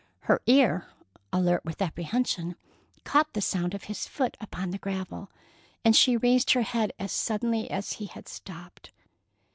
Her ear, alert with apprehension, caught the sound of his foot upon the gravel, and she raised her head as suddenly as he had stopped.